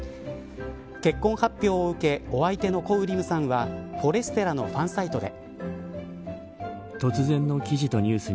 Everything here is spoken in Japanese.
結婚発表を受けお相手のコ・ウリムさんはフォレステラのファンサイトで。